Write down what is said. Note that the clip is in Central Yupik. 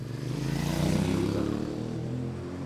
umyugaq